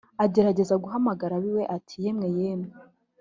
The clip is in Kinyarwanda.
agerageza guhamagara ab’iwe ati" yemwe yemwe